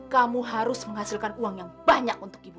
kamu harus menghasilkan uang yang banyak untuk ibu